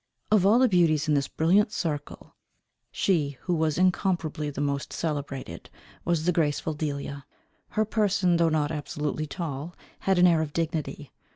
Of all the beauties in this brilliant circle, she, who was incomparably the most celebrated, was the graceful Delia. Her person, though not absolutely tall, had an air of dignity.